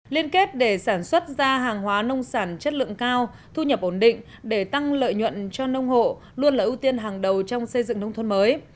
liên kết để sản xuất ra hàng hóa nông sản chất lượng cao thu nhập ổn định để tăng lợi nhuận cho nông hộ luôn là ưu tiên hàng đầu trong xây dựng nông thôn mới